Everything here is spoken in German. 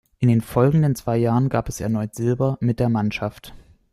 In den folgenden zwei Jahren gab es erneut Silber mit der Mannschaft.